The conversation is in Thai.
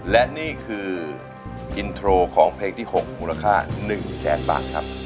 และนี่คือของเพลงที่หกมูลค่าหนึ่งแสนบาทครับ